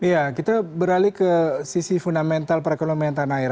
ya kita beralih ke sisi fundamental perekonomian tanah air